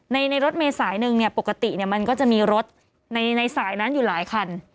ในรถเมษายหนึ่งเนี่ยปกติมันก็จะมีรถในสายนั้นอยู่หลายคัน